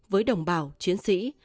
với đồng bào chiến sĩ